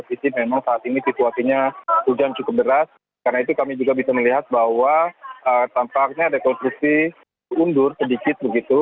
sisi memang saat ini situasinya hujan cukup deras karena itu kami juga bisa melihat bahwa tampaknya rekonstruksi undur sedikit begitu